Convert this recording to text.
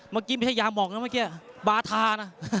เมื่อกี้ไม่ใช่ยาหมอกนะเมื่อกี้บาทานะ